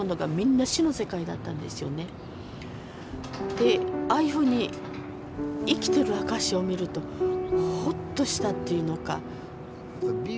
でああいうふうに生きてる証しを見るとホッとしたっていうのか。